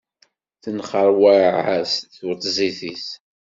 Tenxeṛwaɛ-as tweṭzit-is.